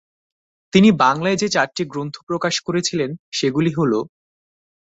তিনি বাংলায় যে চারটি গ্রন্থ প্রকাশ করেছিলেন সেগুলি হল -